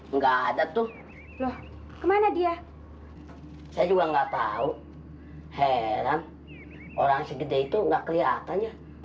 enggak ada tuh loh kemana dia saya juga enggak tahu heran orang segede itu enggak kelihatannya